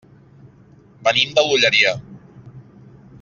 Venim de l'Olleria.